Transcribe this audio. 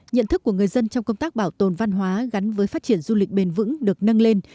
nhận thức của người dân trong công tác bảo tồn văn hóa gắn với phát triển du lịch bền vững được nâng lên